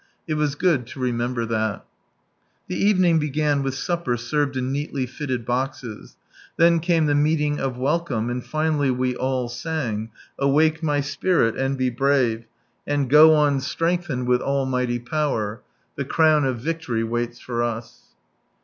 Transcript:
It was good to remember that ! The evening began with supper served in neatly fitted boxes. Then came the meeting of welcome, and finally we all sang, —" Awakt my i/inl and hi brave. And go oil itrenglhtUfil icilk Almighty Pffimr. The Ckhvii of Victory ■aiail! for us